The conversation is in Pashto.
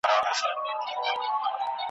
له ښوونکي له ملا مي اورېدله ,